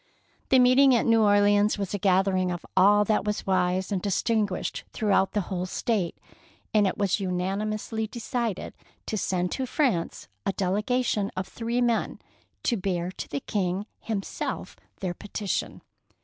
The meet ing at New Orleans was a gathering of all that was wise and distinguished throughout the whole State, and it was unanimously decided to send to France a delegation of three men, to bear to the King himself their petition.